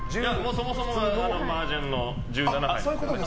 そもそものマージャンが１７牌。